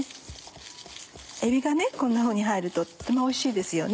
えびがこんなふうに入るととってもおいしいですよね。